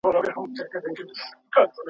په نړۍ کي داسي ستونزي پیدا کېږي.